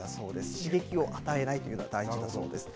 刺激を与えないというのが大事なことです。